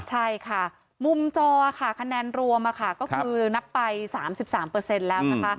ใช่ค่ะมุมจอค่ะคะแนนรวมก็คือนับไป๓๓แล้วนะคะ